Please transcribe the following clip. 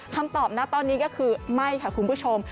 คำตอบนะตอนนี้ก็คือไม่ค่ะคุณผู้ชม